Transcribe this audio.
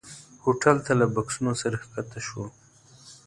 هوټل ته له بکسونو سره ښکته شول.